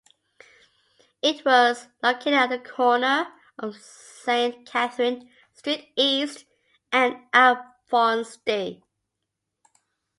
It was located at the corner of Saint Catherine Street East and Alphonse-D.